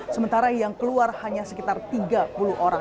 sementara yang keluar hanya sekitar tiga puluh orang